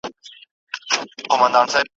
اوس حیا پکښي خرڅیږي بازارونه دي چي زیږي